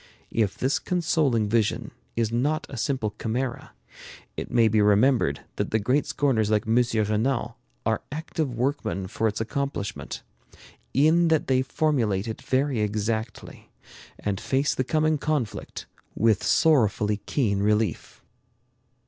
If this consoling vision is not a simple chimera, it may be remembered that the great scorners like M. Renan are active workmen for its accomplishment, in that they formulate it very exactly, and face the coming conflict with sorrowfully keen relief.